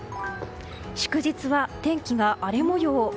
祝日は天気が荒れ模様。